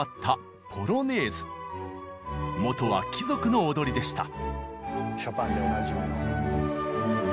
もとは貴族の踊りでした。